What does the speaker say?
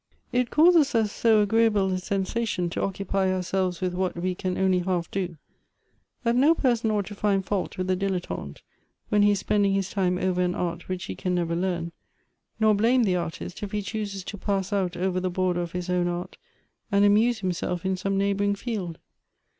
IT causes us so agreeable a sensation to occupy our selves with what we can only half do, that no person ought to find fault with the dilettante, when he is spend ing his time over an art which he can never learn ; nor blame the artist if he chooses to pass out over the border of his own art, and amuse himself in some neighboring field.